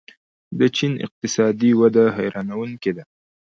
د چین اقتصادي وده حیرانوونکې ده.